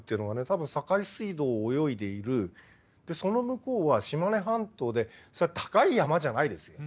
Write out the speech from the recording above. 多分境水道を泳いでいるでその向こうは島根半島で高い山じゃないですよ。